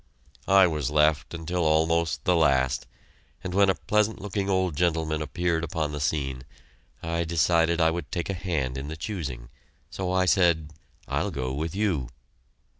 I was left until almost the last, and when a pleasant looking old gentleman appeared upon the scene, I decided I would take a hand in the choosing, so I said, "I'll go with you."